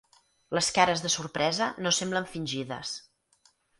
Les cares de sorpresa no semblen fingides.